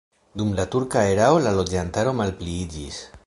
Dum la turka erao la loĝantaro malpliiĝis.